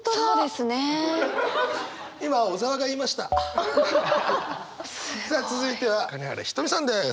すごい。さあ続いては金原ひとみさんです。